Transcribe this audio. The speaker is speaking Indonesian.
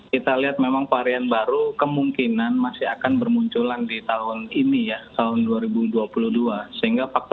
kita lihat memang varian baru kemungkinan masih akan bermunculan di tahun ini ya